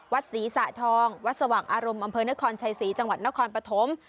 วัดศรีสะทองวัดสว่างอารมณ์อำเภอนครชัยศรีจังหวัดนครปฐม